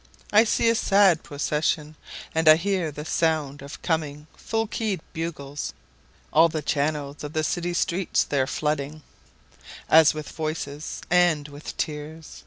3I see a sad procession, And I hear the sound of coming full key'd bugles; All the channels of the city streets they're flooding, As with voices and with tears.